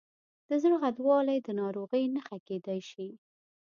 د زړه غټوالی د ناروغۍ نښه کېدای شي.